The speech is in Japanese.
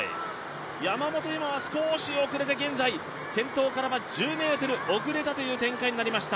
山本有真は少し遅れて現在先頭からは１０ｍ遅れたという展開になりました。